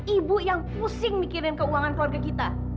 ibu yang pusing mikirin keuangan keluarga kita